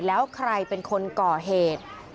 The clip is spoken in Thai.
แล้วใครเป็นคนก่อเหตุ